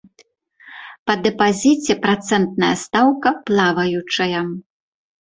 Па дэпазіце працэнтная стаўка плаваючая.